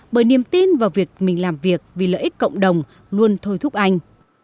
bởi niềm tin vào việc mình làm việc vì lợi ích cộng đồng luôn thôi thúc anh